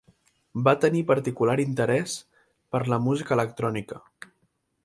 Va tenir particular interés per la música electrònica.